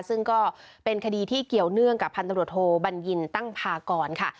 ซึ่งก็เป็นคดีที่เกี่ยวเนื่องกับพันตรวจโทบัญญินตั้งพากรค่ะ